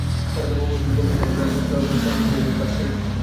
ভারতে বহু বছরের গবেষণার পর রাজনৈতিক দলগুলো সহমত হয়ে বিল পাস করেছে।